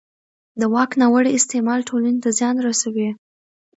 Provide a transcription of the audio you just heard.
د واک ناوړه استعمال ټولنې ته زیان رسوي